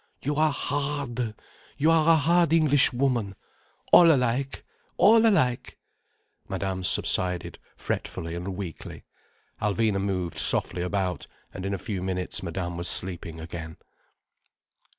"You are hard! You are a hard Englishwoman. All alike. All alike!" Madame subsided fretfully and weakly. Alvina moved softly about. And in a few minutes Madame was sleeping again.